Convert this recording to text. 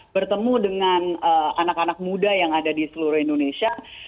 bertemu dengan anak anak muda yang ada di seluruh indonesia